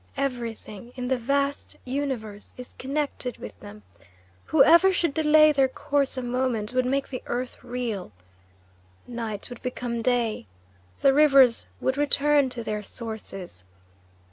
Everything in the vast universe is connected with them. Whoever should delay their course a moment would make the earth reel. Night would become day, the rivers would return to their sources.